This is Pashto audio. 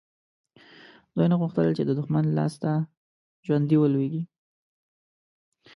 دوی نه غوښتل چې د دښمن لاسته ژوندي ولویږي.